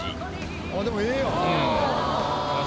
あぁでもええやん。